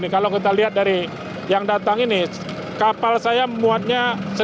kalau kita lihat dari yang datang ini kapal saya memuatnya satu dua ratus